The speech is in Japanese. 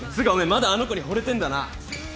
まだあの子にほれてんだな。